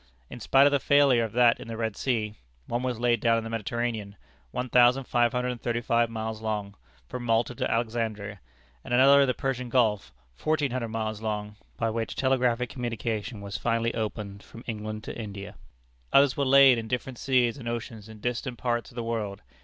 In spite of the failure of that in the Red Sea, one was laid down in the Mediterranean, 1,535 miles long, from Malta to Alexandria, and another in the Persian Gulf, 1,400 miles long, by which telegraphic communication was finally opened from England to India. Others were laid in different seas and oceans in distant parts of the world.